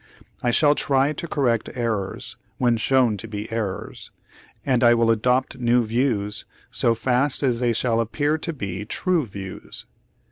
"I shall try to correct errors when shown to be errors; and I shall adopt new views so fast as they shall appear to be true views.